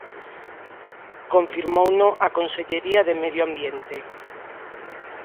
Confirmouno a Consellería de Medio Ambiente.